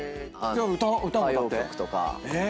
歌も歌って？